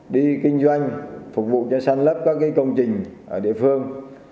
đi kinh doanh phục vụ cho săn lấp các công trình ở địa phương